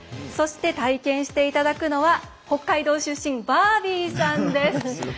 そして、体験していただくのは北海道出身、バービーさんです。